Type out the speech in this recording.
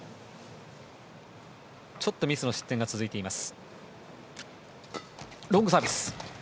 ちょっとミスの失点が続いています。